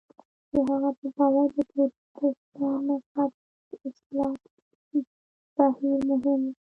د هغه په باور د پروتستان مذهب اصلاح بهیر مهم و.